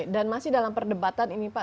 dan masih dalam perdebatan ini pak